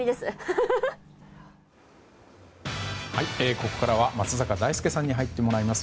ここからは松坂大輔さんに入ってもらいます。